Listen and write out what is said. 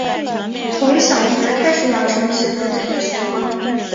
从小学开始养成写日记的习惯